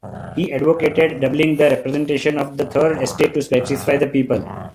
He advocated doubling the representation of the Third Estate to satisfy the people.